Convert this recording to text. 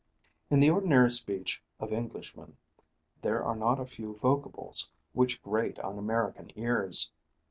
In the ordinary speech of Englishmen there are not a few vocables which grate on American ears.